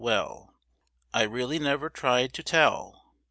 Well I really never tried to tell.